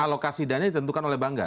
alokasi dana ditentukan oleh bangga